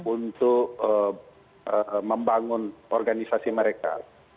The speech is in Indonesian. untuk membangun organisasi mereka